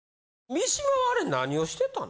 三島はあれ何をしてたの？